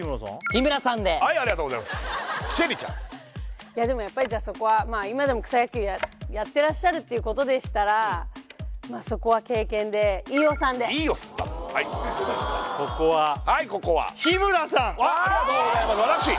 日村さんではいありがとうございますＳＨＥＬＬＹちゃんでもやっぱりじゃあそこはまあ今でも草野球やってらっしゃるっていうことでしたらまあそこは経験で飯尾さんで飯尾さんはいここははいここは日村さんわあありがとうございます私？